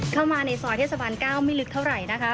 เข้ามาในซอยเทศบาล๙ไม่ลึกเท่าไหร่นะคะ